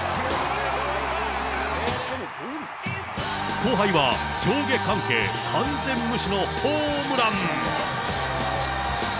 後輩は上下関係完全無視のホームラン。